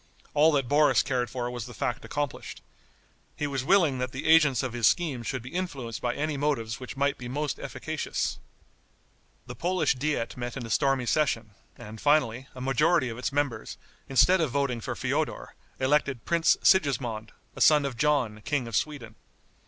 All that Boris cared for was the fact accomplished. He was willing that the agents of his schemes should be influenced by any motives which might be most efficacious. The Polish diet met in a stormy session, and finally, a majority of its members, instead of voting for Feodor, elected Prince Sigismond, a son of John, King of Sweden.